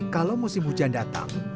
kalau musim hujan datang